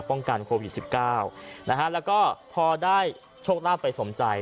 กันโควิดสิบเก้านะฮะแล้วก็พอได้โชคลาภไปสมใจ